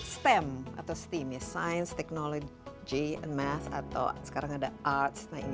stem atau science technology and math atau sekarang ada arts